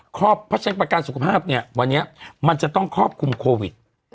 เพราะฉะนั้นประกันสุขภาพเนี่ยวันนี้มันจะต้องครอบคลุมโควิด